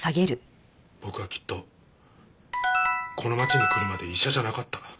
僕はきっとこの町に来るまで医者じゃなかった。